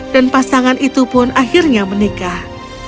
dan pasangan itu pun akhirnya menikah